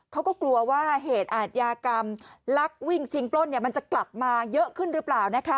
เขาก็กลัวว่าเหตุอาทยากรรมลักวิ่งชิงปล้นมันจะกลับมาเยอะขึ้นหรือเปล่านะคะ